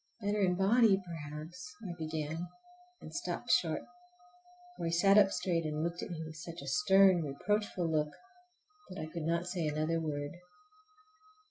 "Better in body perhaps"—I began, and stopped short, for he sat up straight and looked at me with such a stern, reproachful look that I could not say another word.